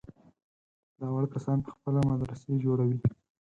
دا وړ کسان په خپله مدرسې جوړوي.